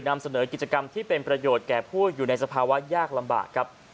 นำเสนอกิจกรรมที่เป็นประโยชน์แก่ผู้อยู่ในสภาวะยากลำบากครับ